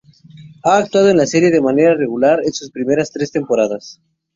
Ha actuado en la serie de manera regular en sus primeras tres temporadas.